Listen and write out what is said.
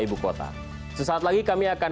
ibu kota sesaat lagi kami akan